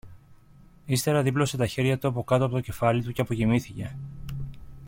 Ύστερα δίπλωσε τα χέρια του αποκάτω από το κεφάλι του και αποκοιμήθηκε.